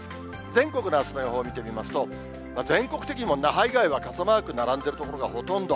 全国のあすの予報を見てみますと、全国的にも那覇以外は傘マーク並んでる所がほとんど。